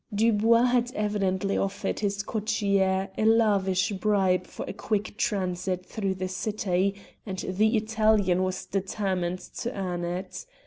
Dubois had evidently offered his cocchiere a lavish bribe for a quick transit through the city, and the Italian was determined to earn it.